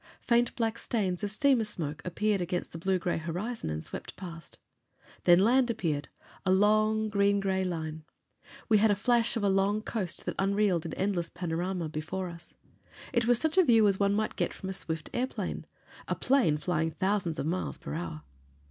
Faint black stains of steamer smoke appeared against the blue gray horizon and swept past. Then land appeared a long, green gray line. We had a flash of a long coast that unreeled in endless panorama before us. It was such a view as one might get from a swift airplane a plane flying thousands of miles per hour.